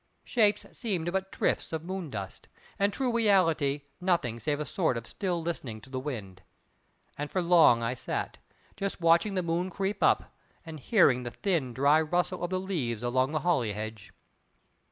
Shapes seemed but drifts of moon dust, and true reality nothing save a sort of still listening to the wind. And for long I sat, just watching the moon creep up, and hearing the thin, dry rustle of the leaves along the holly hedge.